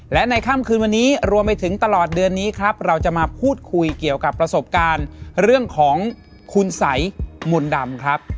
และในค่ำคืนวันนี้รวมไปถึงตลอดเดือนนี้ครับเราจะมาพูดคุยเกี่ยวกับประสบการณ์เรื่องของคุณสัยมนต์ดำครับ